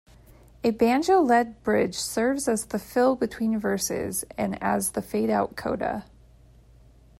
A banjo-led bridge serves as the fill between verses and as the fade-out coda.